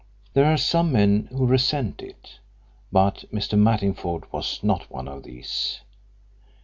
There are some men who resent it, but Mr. Mattingford was not one of these.